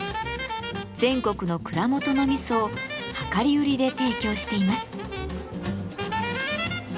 全国の蔵元の味噌を量り売りで提供しています。